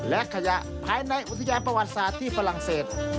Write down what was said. และขยะภายในอุทยานประวัติศาสตร์ที่ฝรั่งเศส